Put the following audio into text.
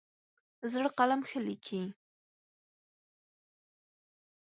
زړه قلم ښه لیکي.